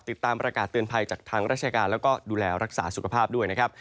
ติดตามประกาศเตือนภัยจากทางราชการแล้วก็ดูแลรักษาสุขภาพด้วยนะครับ